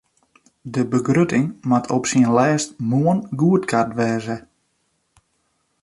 De begrutting moat op syn lêst moarn goedkard wêze.